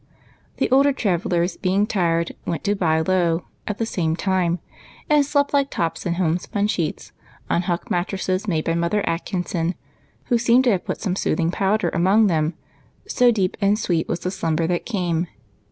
The older travellers, being tired, went to " bye low " at the same time, and slept like tops in home spun sheets, on husk mattresses made by Mother Atkinson, who seemed to have put some soothing powder among them, so deep and sweet was the slumber that came.